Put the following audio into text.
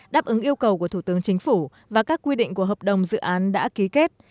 đáp ứng yêu cầu của thủ tướng chính phủ và các quy định của hợp đồng dự án đã ký kết